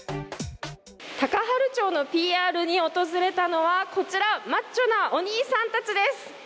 高原町のＰＲに訪れたのはこちら、マッチョなお兄さんたちです。